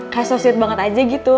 kayak societ banget aja gitu